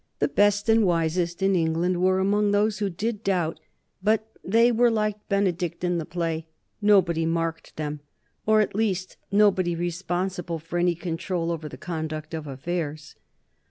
The best and wisest in England were among those who did doubt, but they were like Benedict in the play nobody marked them, or at least nobody responsible for any control over the conduct of affairs.